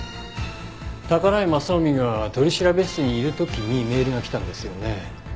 宝居雅臣が取調室にいる時にメールがきたんですよね。